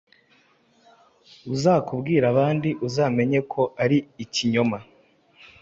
Uzakubwira abandi uzamenye ko ari ikinyoma